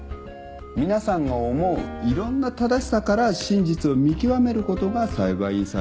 皆さんが思ういろんな正しさから真実を見極めることが裁判員裁判だと思うな。